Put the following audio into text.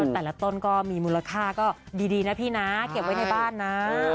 แต่ละต้นก็มีมูลค่าก็ดีนะพี่นะเก็บไว้ในบ้านนะ